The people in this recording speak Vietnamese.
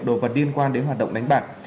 đồ vật liên quan đến hoạt động đánh bạc